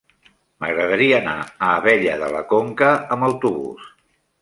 M'agradaria anar a Abella de la Conca amb autobús.